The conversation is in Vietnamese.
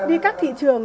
đi các thị trường